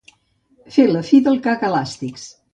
Fer la fi del cagaelàstics.